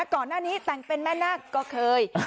ก่อนหน้านี้แต่งเป็นแม่นาคก็เคย